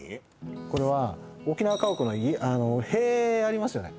これは沖縄家屋の塀ありますよね